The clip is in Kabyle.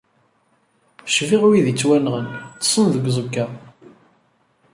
Cbiɣ wid yettwanɣan, ṭṭsen deg uẓekka.